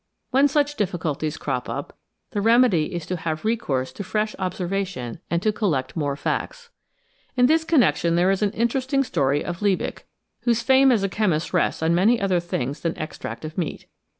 When such difficulties crop up, the remedy is to have recourse to fresh observation and to collect more facts. In this connection there is an interesting story of Liebig, whose fame as a chemist rests on many other things than extract of meat.